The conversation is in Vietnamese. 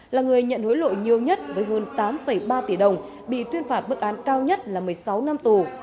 là người nhận hối lộ nhiều nhất với hơn tám ba tỷ đồng bị tuyên phạt bức án cao nhất là một mươi sáu năm tù